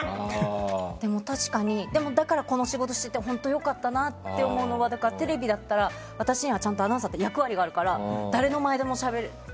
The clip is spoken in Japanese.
でも、確かにだからこそ、この仕事をしてて本当に良かったなと思うのがテレビだったら、私にはちゃんとアナウンサーという役割があるから誰の前でもしゃべれる。